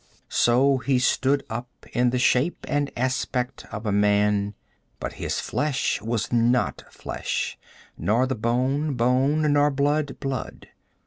So he stood up in the shape and aspect of a man, but his flesh was not flesh, nor the bone, bone, nor blood, blood.